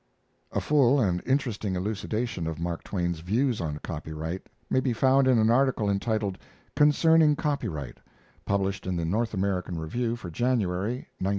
(A full and interesting elucidation of Mark Twain's views on Copyright may be found in an article entitled "Concerning Copyright," published in the North American Review for January, 1905.)